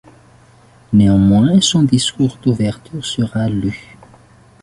Néanmoins son discours d'ouverture sera lu.